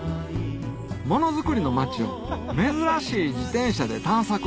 ものづくりの町を珍しい自転車で探索